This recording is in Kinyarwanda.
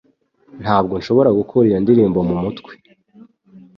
Ntabwo nshobora gukura iyo ndirimbo mumutwe